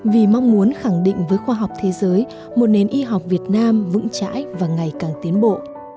vì mong muốn khẳng định với khoa học thế giới một nền y học việt nam vững chãi và ngày càng tiến bộ